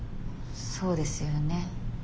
そうですよね。